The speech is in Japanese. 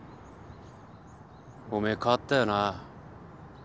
おめえ変わったよな。